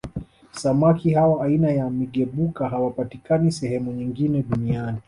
Samaki hawa aina ya Migebuka hawapatikani sehemu nyingine Duniani